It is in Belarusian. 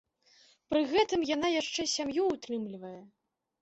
Пры гэтым яна яшчэ і сям'ю ўтрымлівае.